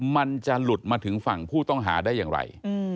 มันจะหลุดมาถึงฝั่งผู้ต้องหาได้อย่างไร